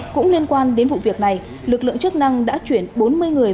cũng liên quan đến vụ việc này lực lượng chức năng đã chuyển bốn mươi người